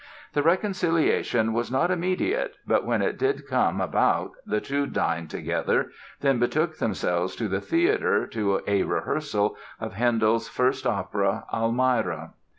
The reconciliation was not immediate but when it did come about the two dined together, then betook themselves to the theatre to a rehearsal of Handel's first opera, "Almira."